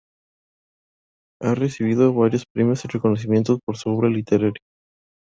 Ha recibido varios premios y reconocimientos por su obra literaria.